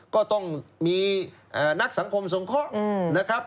ก็ต้องมีนักสังคมสงเคราะห์นะครับ